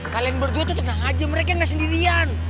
kalian berdua tuh tenang aja mereka gak sendirian